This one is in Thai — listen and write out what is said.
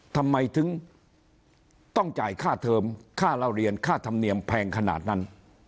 ทำไมถึงต้องจ่ายค่าเทิมค่าเล่าเรียนค่าธรรมเนียมแพงขนาดนั้น